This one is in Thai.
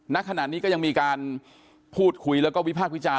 ณขณะนี้ก็ยังมีการพูดคุยแล้วก็วิพากษ์วิจารณ